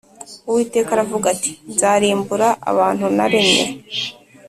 Uwiteka aravuga ati Nzarimbura abantu naremye